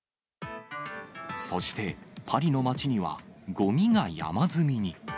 そして、パリの街にはごみが山積みに。